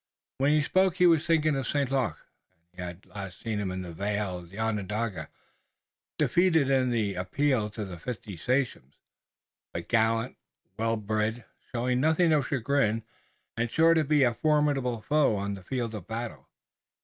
When he spoke he was thinking of St. Luc, as he had last seen him in the vale of Onondaga, defeated in the appeal to the fifty sachems, but gallant, well bred, showing nothing of chagrin, and sure to be a formidable foe on the field of battle.